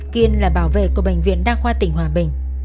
kiên là bảo vệ của bệnh viện đa khoa tỉnh hòa bình